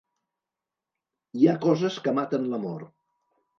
Hi ha coses que maten l'amor.